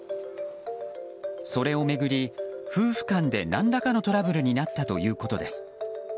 それを巡り、夫婦間で何らかのトラブルになったということです。